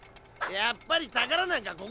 やっぱりたからなんか